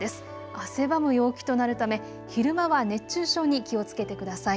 汗ばむ陽気となるため昼間は熱中症に気をつけてください。